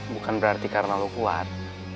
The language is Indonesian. bukan berarti karena lo kuat